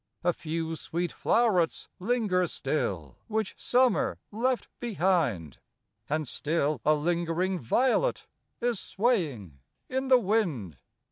115 A few sweet flow'rets linger still, Which Summer left behind ; And still a lingering violet Is swaying in the wind.